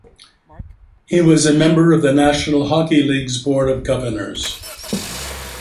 He was a member of the National Hockey League's Board of Governors.